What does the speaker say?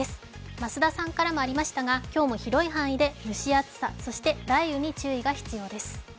増田さんからもありましたが今日も広い範囲で蒸し暑さ、そして雷雨に注意が必要です。